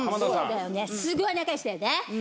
すごい仲良しだよね！